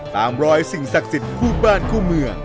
ตามรอยสิ่งศักดิ์สิทธิ์คู่บ้านคู่เมือง